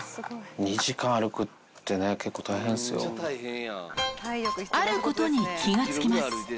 ２時間歩くってね、あることに気が付きます。